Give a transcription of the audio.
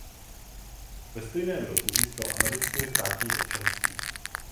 Ve stejném roce získal americké státní občanství.